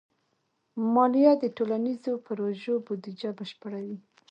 مالیه د ټولنیزو پروژو بودیجه بشپړوي.